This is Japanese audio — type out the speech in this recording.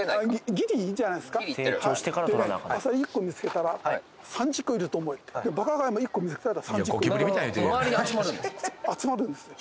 ギリいいんじゃないですかギリいってる？でねアサリ１個見つけたら３０個いると思えってでバカガイも１個見つけたら３０個周りに集まるんですか？